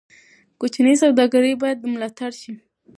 کوچني سوداګرۍ باید ملاتړ شي.